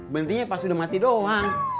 mendingnya pas udah mati doang